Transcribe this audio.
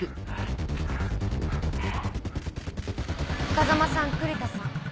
風真さん栗田さん。